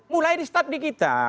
mulai di stadik kita